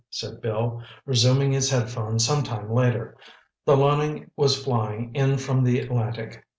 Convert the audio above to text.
said Bill, resuming his headphones sometime later. The Loening was flying in from the Atlantic.